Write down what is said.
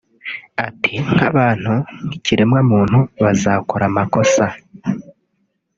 Ati “ Nk’abantu nk’ibiremwamuntu bazakora amakosa